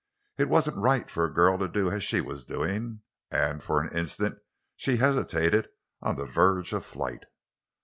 It wasn't right for a girl to do as she was doing; and for an instant she hesitated on the verge of flight.